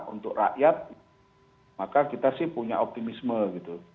untuk rakyat maka kita sih punya optimisme gitu